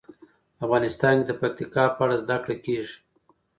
افغانستان کې د پکتیکا په اړه زده کړه کېږي.